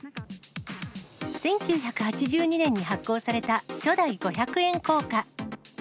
１９８２年に発行された初代五百円硬貨。